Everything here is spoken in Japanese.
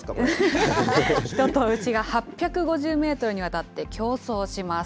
人と牛が８５０メートルにわたって競争します。